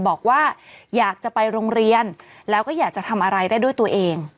บอกว่าอยากจะไปโรงเรียนแล้วก็อยากจะทำอะไรได้ด้วยตัวเอง